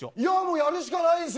やるしかないでしょ。